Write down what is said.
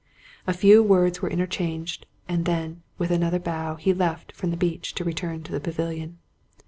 A few words were interchanged; and then, with another bow, he left the beach to return to the pavilion.